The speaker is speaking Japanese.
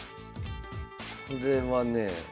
これはねえ。